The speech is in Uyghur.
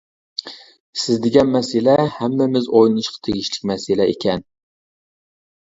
سىز دېگەن مەسىلە ھەممىمىز ئويلىنىشقا تېگىشلىك مەسىلە ئىكەن.